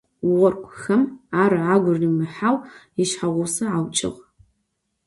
Оркъхэм ар агу римыхьэу ишъхьагъусэ аукӏыгъ.